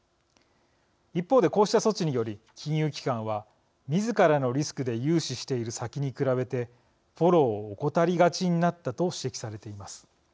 一方で、こうした措置により金融機関はみずからのリスクで融資している先に比べてフォローを怠りがちになったと指摘されています。